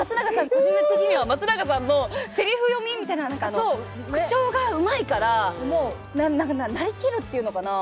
個人的には松永さんのせりふ読みみたいな口調がうまいからなりきるっていうのかな。